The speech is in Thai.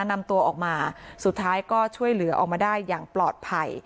นำตัวออกมาสุดท้ายก็ช่วยเหลือออกมาได้อย่างปลอดภัย